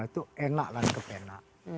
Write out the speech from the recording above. itu enak dan kepenak